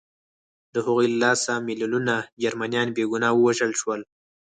د هغوی له لاسه میلیونونه جرمنان بې ګناه ووژل شول